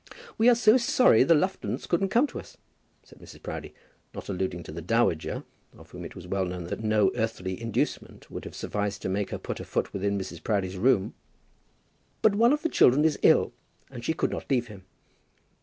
"We are so sorry the Luftons couldn't come to us," said Mrs. Proudie, not alluding to the dowager, of whom it was well known that no earthly inducement would have sufficed to make her put her foot within Mrs. Proudie's room; "but one of the children is ill, and she could not leave him."